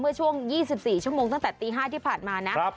เมื่อช่วง๒๔ชั่วโมงตั้งแต่ตี๕ที่ผ่านมานะ